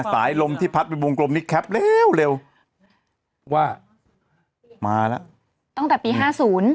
สายลมที่แพดบนกรมนิบแล้วเร็วว่ามาแล้วตั้งแต่ปีห้าศูนย์